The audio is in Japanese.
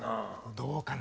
どうかな？